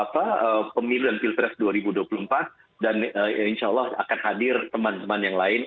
pemilu dan pilpres dua ribu dua puluh empat dan insya allah akan hadir teman teman yang lain